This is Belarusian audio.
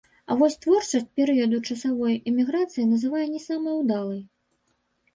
А вось творчасць перыяду часовай эміграцыі называе не самай удалай.